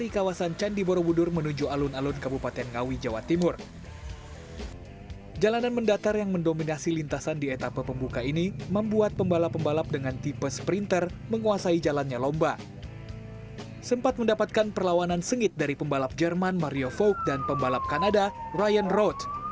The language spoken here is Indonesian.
kita akan mencari toko